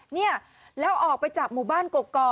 เนี่ยแล้วออกไปจากหมู่บ้านกกอก